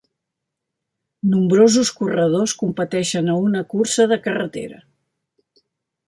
Nombrosos corredors competeixen a una cursa de carretera.